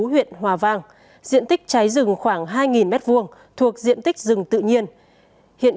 huyện hòa vang diện tích cháy rừng khoảng hai mét vuông thuộc diện tích rừng tự nhiên